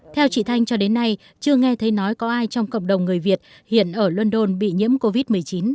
theo chị thanh cho đến nay chưa nghe thấy nói có ai trong cộng đồng người việt hiện ở london bị nhiễm covid một mươi chín